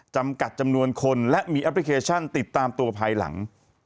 จำกัดจำนวนคนและมีแอปพลิเคชันติดตามตัวภายหลัง